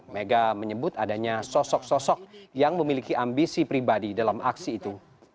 mega menyebut adanya sosok sosok yang memiliki ambisi pribadi dalam aksi itu